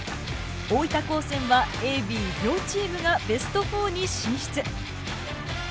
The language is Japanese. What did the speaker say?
大分高専はＡＢ両チームがベスト４に進出。